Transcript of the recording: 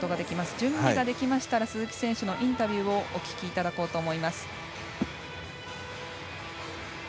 準備ができましたら鈴木選手のインタビューをお聞きいただこうと思います。